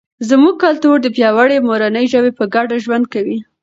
زموږ کلتور د پیاوړي مورنۍ ژبې په ګډه ژوند کوي.